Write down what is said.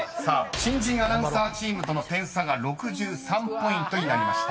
［新人アナウンサーチームとの点差が６３ポイントになりました］